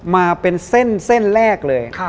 มาเป็นเส้นแรกเลย